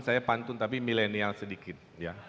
saya pantun tapi milenial sedikit